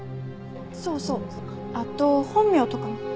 そうそうあと本名とかも。